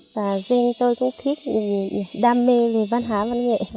và duyên tôi cũng thích đam mê vì văn hóa văn nghệ